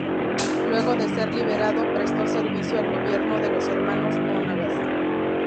Luego de ser liberado prestó servicio al gobierno de los hermanos Monagas.